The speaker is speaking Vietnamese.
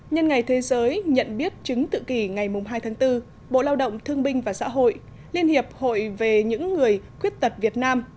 nhân ngày thế giới nhận biết chứng tự kỷ ngày hai tháng bốn bộ lao động thương binh và xã hội liên hiệp hội về những người khuyết tật việt nam